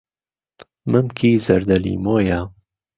مهمکی زهرده لیمۆیه